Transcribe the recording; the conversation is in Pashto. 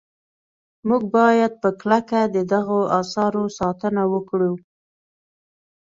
موږ باید په کلکه د دغو اثارو ساتنه وکړو.